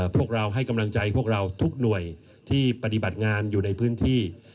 พวกเราให้กำลังใจพวกเราทุกหน่วยที่ปฏิบัติงานอยู่ในพื้นที่